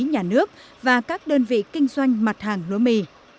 nhà nước và các đơn vị kinh doanh mặt hàng lúa mì